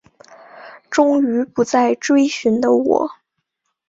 终于不再追寻的我